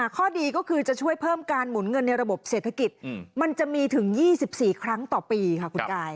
ข้อดีก็คือจะช่วยเพิ่มการหมุนเงินในระบบเศรษฐกิจมันจะมีถึง๒๔ครั้งต่อปีค่ะคุณกาย